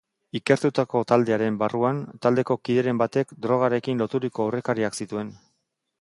Ikertutako taldearen barruan, taldeko kideren batek drogarekin loturiko aurrekariak zituen.